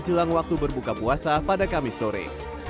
jelang waktu berbuka puasa pada kamis sore